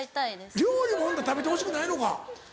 料理もほんなら食べてほしくないのか？